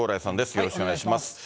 よろしくお願いします。